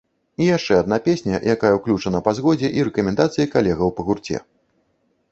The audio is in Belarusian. І яшчэ адна песня, якая ўключана па згодзе і рэкамендацыі калегаў па гурце.